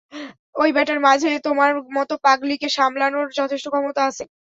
ঐ বেটার মাঝে তোমার মত পাগলিকে সামলানোর যথেষ্ট ক্ষমতা আছে।